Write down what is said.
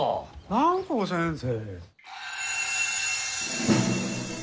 蘭光先生。